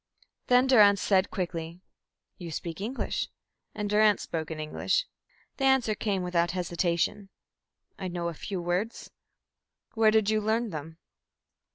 Then Durrance said quickly, "You speak English," and Durrance spoke in English. The answer came without hesitation. "I know a few words." "Where did you learn them?"